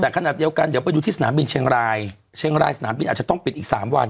แต่ขณะเดียวกันเดี๋ยวไปดูที่สนามบินเชียงรายเชียงรายสนามบินอาจจะต้องปิดอีกสามวัน